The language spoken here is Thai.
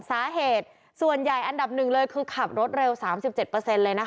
สาเหตุส่วนใหญ่อันดับหนึ่งเลยคือขับรถเร็ว๓๗เลยนะคะ